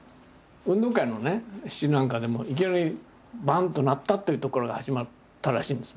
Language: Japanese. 運動会の詩なんかでもいきなりバンッと鳴ったっていうとこから始まったらしいんですよ